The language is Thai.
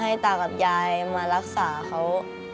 ตากับยายมารักษาเขา